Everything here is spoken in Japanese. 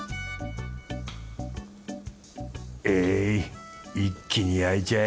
えい一気に焼いちゃえ